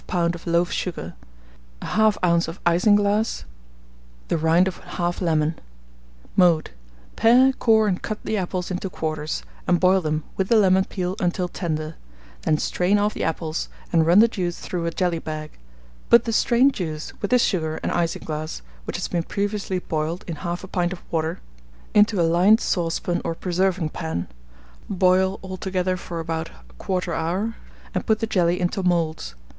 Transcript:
of loaf sugar, 1/2 oz. of isinglass, the rind of 1/2 lemon. Mode. Pare, core, and cut the apples into quarters, and boil them, with the lemon peel, until tender; then strain off the apples, and run the juice through a jelly bag; put the strained juice, with the sugar and isinglass, which has been previously boiled in 1/2 pint of water, into a lined saucepan or preserving pan; boil all together for about 1/4 hour, and put the jelly into moulds.